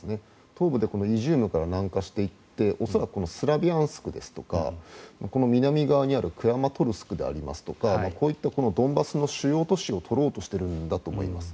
東部でイジュームから南下していって恐らくスロビャンスクとか南側にあるクラマトルシクですとかこういったドンバスの主要都市を取ろうとしているんだと思います。